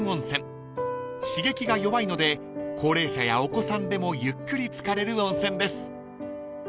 ［刺激が弱いので高齢者やお子さんでもゆっくり漬かれる温泉です］